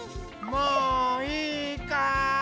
もういいかい？